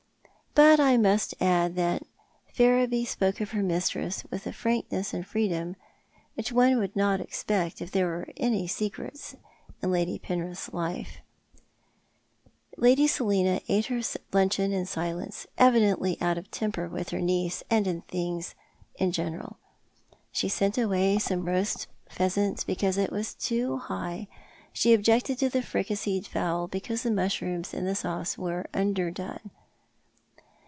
But I must add that Ferriby spoke of her mistress with a frankness and freedom which one would not expect if there were any secret;, in Lady Penrith's life. Cora expatiates. 279 Lady Scliua ate her luncheon in silence, evidently out of temper with her niece and things in general. She sent away some roast pheasant because it was too high ; she objected to the fricasseed fowl because tho mushrooms in the sauce were underdone.